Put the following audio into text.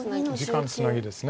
時間つなぎです。